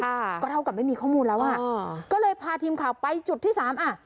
ค่ะก็เท่ากับไม่มีข้อมูลแล้วอ่ะอ๋อก็เลยพาทีมข่าวไปจุดที่สามอ่ะ